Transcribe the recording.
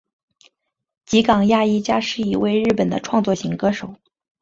吉冈亚衣加是一位日本的创作型歌手。